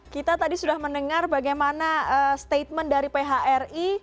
kita tadi sudah mendengar bagaimana statement dari phri